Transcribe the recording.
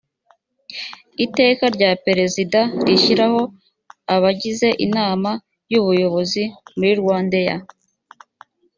iteka rya perezida rishyiraho abagize inama y ubuyobozi muri rwandaair